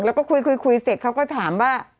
แล้วก็คุยเสร็จเขาก็ถามว่า